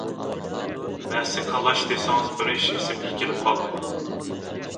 مەسە-كالاچ دېسىڭىز بىر ئىش ئېسىمگە كېلىپ قالدى.